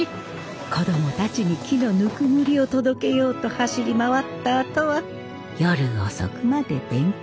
子供たちに木のぬくもりを届けようと走り回ったあとは夜遅くまで勉強。